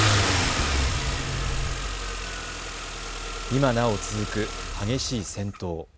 今なお続く激しい戦闘。